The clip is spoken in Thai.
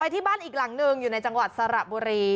ที่บ้านอีกหลังหนึ่งอยู่ในจังหวัดสระบุรี